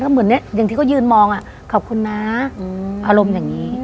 เหมือนเนี่ยอย่างที่เขายืนมองขอบคุณนะอารมณ์อย่างนี้